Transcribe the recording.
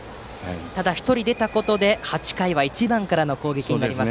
ただ、１人出たことで８回は１番からの攻撃になります。